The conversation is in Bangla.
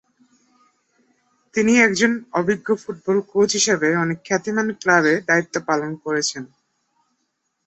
তিনি একজন অভিজ্ঞ ফুটবল কোচ হিসাবে অনেক খ্যাতিমান ক্লাবে দায়িত্ব পালন করেছেন।